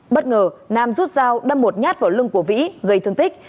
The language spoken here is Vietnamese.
bất ngờ nam rút dao đâm một nhát vào lưng của vĩ gây thương tích